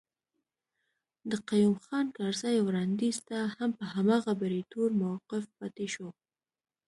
د قيوم خان کرزي وړانديز ته هم په هماغه بریتور موقف پاتي شو.